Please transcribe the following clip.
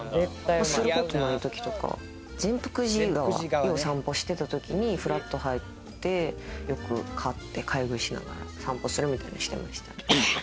する事ないときとか善福寺川よう散歩してた時に、ふらっと入って、よく買って、買い食いしながら散歩するみたいなのしてました。